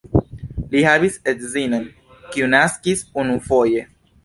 Li havis edzinon, kiu naskis unufoje.